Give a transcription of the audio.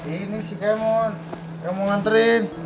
ini si kemon yang mau nganterin